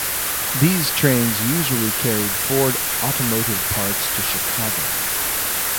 These trains usually carried Ford automotive parts to Chicago.